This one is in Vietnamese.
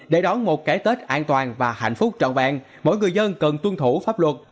để đón một cái tết an toàn và hạnh phúc trọn vẹn mỗi người dân cần tuân thủ pháp luật